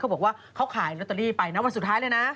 บอกว่าเขาขายลอตเตอรี่ไปนะวันสุดท้ายเลยนะ